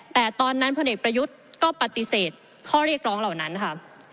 แต่ตอนนั้นพลเอกประยุทธ์ก็ปฏิเสธข้อเรียกร้องเหล่านั้นค่ะ